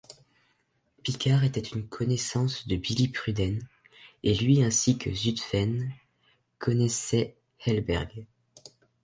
Pickard était une connaissance de Billy Pruden, et lui ainsi que Zutphen connaissaient Helberg.